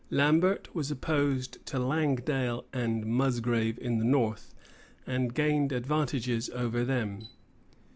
Lambert was opposed to Langdale and Musgrave in the north, and gained advantages over them.